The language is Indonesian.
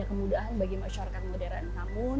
kemudian dipercaya bahwa kita masih berada di dunia ini